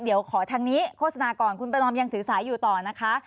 เดี๋ยวขอทางนี้โฆษณาก่อนคุณประนอมยังถือสายอยู่ต่อนะคะ